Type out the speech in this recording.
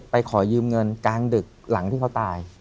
ขอยืมเงินกลางดึกหลังที่เขาตาย